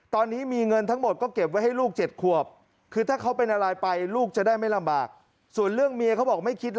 ตอนนี้มีเงินทั้งหมดก็เก็บไว้ให้ลูก๗ควบ